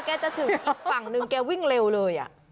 จะถึงอีกฝั่งนึงแกวิ่งเร็วเลย